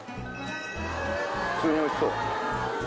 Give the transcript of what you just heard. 普通においしそう。